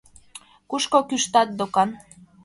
Кушко кӱштат докан.